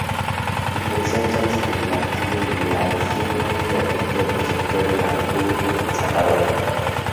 Ingresó entonces al Partido Liberal, siendo un importante opositor de la República Conservadora.